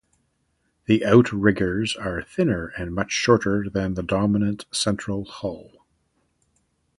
The outriggers are thinner and much shorter than the dominant central hull.